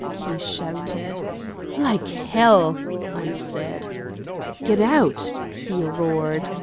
he shouted.] "Like hell!" I said. "Get out!" he roared.